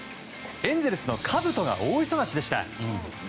エンゼルスのかぶとが大忙しでした。